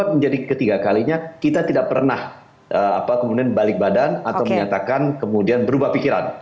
dua ribu dua puluh empat menjadi ketiga kalinya kita tidak pernah kemudian balik badan atau menyatakan kemudian berubah pikiran